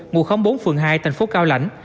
ngụ khống bốn phường hai thành phố cao lãnh